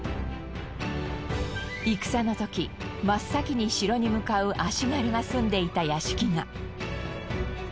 戦の時真っ先に城に向かう足軽が住んでいた屋敷が。